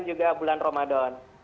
juga bulan ramadan